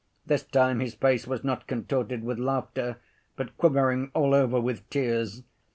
This time his face was not contorted with laughter, but quivering all over with tears.